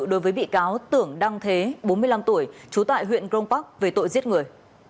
đối với bị cáo tưởng đăng thế bốn mươi năm tuổi trú tại huyện crong park về tội giết người